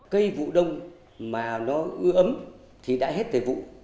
cây vụ đông mà nó ưa ấm thì đã hết thời vụ